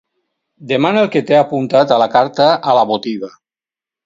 Demana el que t'he apuntat a la carta a la botiga.